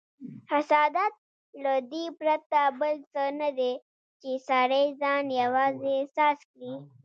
حسادت له دې پرته بل څه نه دی، چې سړی ځان یوازې احساس کړي.